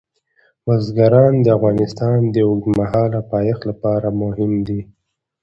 بزګان د افغانستان د اوږدمهاله پایښت لپاره مهم دي.